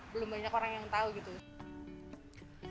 belum banyak orang yang tahu gitu